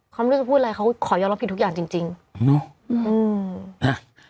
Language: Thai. เขาไม่รู้จะพูดอะไรเขาขอยอมรับผิดทุกอย่างจริงจริงเนอะอืมนะ